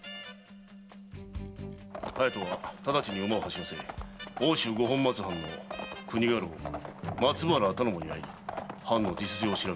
隼人はただちに馬を走らせ奥州五本松藩の国家老松原頼母に会い藩の実情を調べろ。